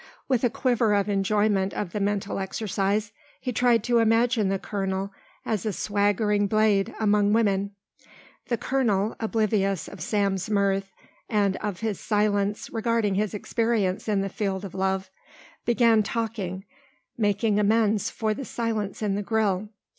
With a quiver of enjoyment of the mental exercise, he tried to imagine the colonel as a swaggering blade among women. The colonel, oblivious of Sam's mirth and of his silence regarding his experience in the field of love, began talking, making amends for the silence in the grill.